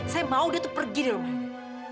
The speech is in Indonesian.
saya mau dia pergi dari rumah ini